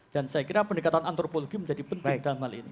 dan saya kira pendekatan antropologi menjadi penting dalam hal ini